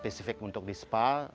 spesifik untuk di spa